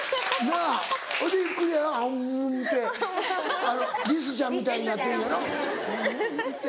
なぁほいでゆっくりあむってリスちゃんみたいになってんやろんって。